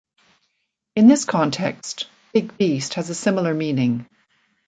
In this context, "big beast" has a similar meaning.